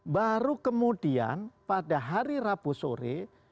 baru kemudian pada hari rabu sore